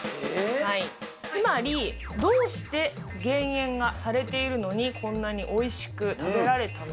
つまりどうして減塩がされているのにこんなにおいしく食べられたのか。